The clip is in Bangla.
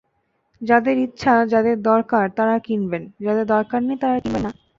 তাঁদের ইচ্ছা, যাঁদের দরকার তাঁরা কিনবেন, যাঁদের দরকার নেই তাঁরা কিনবেন না।